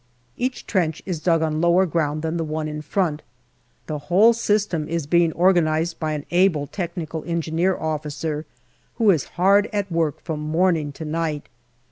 Each trench is dug on lower ground than the one in front. The whole system is being organized by an able technical engineer officer, who is hard at work from morning to night.